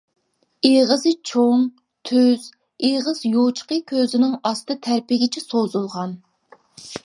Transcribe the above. ئېغىزى چوڭ، تۈز، ئېغىز يوچۇقى كۆزىنىڭ ئاستى تەرىپىگىچە سوزۇلغان.